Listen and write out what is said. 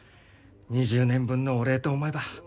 ２０年分のお礼と思えば。